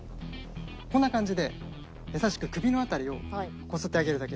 こんな感じで優しく首の辺りをこすってあげるだけです。